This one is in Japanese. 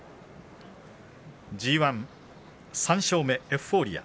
ＧＩ、３勝目、エフフォーリア。